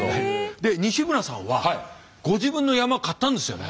で西村さんはご自分の山買ったんですよね。